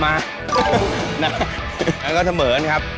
แล้วก็เถมือกันครับ